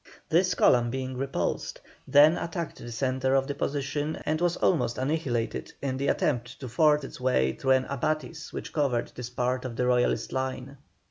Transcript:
This column being repulsed, then attacked the centre of the position and was almost annihilated in the attempt to force its way through an abatis which covered this part of the Royalist line.